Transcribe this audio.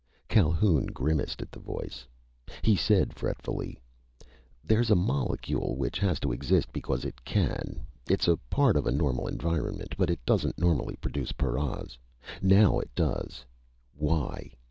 Calhoun grimaced at the voice. He said fretfully: "There's a molecule which has to exist because it can. It's a part of a normal environment, but it doesn't normally produce paras. Now it does! Why?